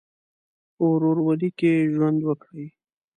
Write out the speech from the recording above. په ورورولۍ کې ژوند وکړئ.